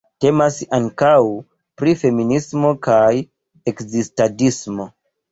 Temas ankaŭ pri feminismo kaj ekzistadismo.